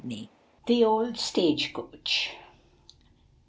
THE OLD STAGE COACH.